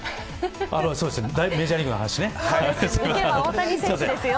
あっ、メジャーリーグの話ね。